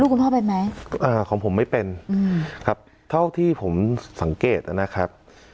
คุณพ่อเป็นไหมอ่าของผมไม่เป็นครับเท่าที่ผมสังเกตนะครับ